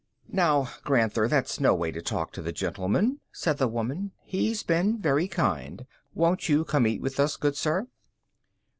"Now, Granther, that's no way to talk to the gentleman," said the woman. "He's been very kind. Won't you come eat with us, good sir?"